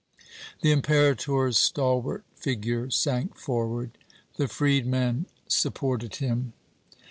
The Imperator's stalwart figure sank forward. The freedman supported him.